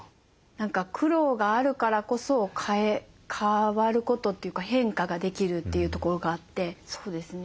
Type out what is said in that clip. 何か苦労があるからこそ変わることというか変化ができるというところがあってそうですね